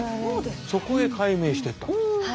そこへ改名していったんです。